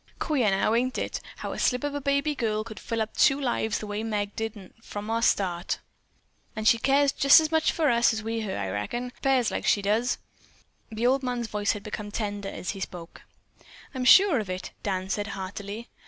"Queer, now, ain't it, how a slip of a baby girl could fill up two lives the way Meg did our'n from the start. An' she cares for us jest as much as we for her, I reckon. 'Pears like she does." The old man's voice had become tender as he spoke. "I'm sure of it," Dan said heartily.